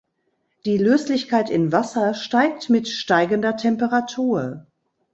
Die Löslichkeit in Wasser steigt mit steigender Temperatur.